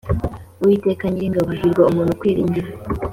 Uwiteka Nyiringabo Hahirwa umuntu ukwiringira